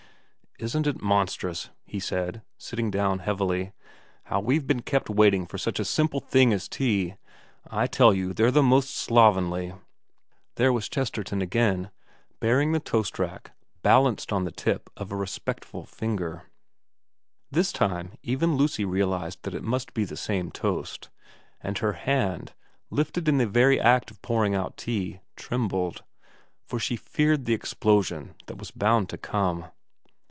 * Isn't it monstrous,' he said, sitting down heavily, ' how we've been kept waiting for such a simple thing as tea. I tell you they're the most slovenly ' There was Chesterton again, bearing the toast rack balanced on the tip of a respectful ringer. This time even Lucy realised that it must be the same toast, and her hand, lifted in the act of pouring out tea, trembled, for she feared the explosion that was bound to come.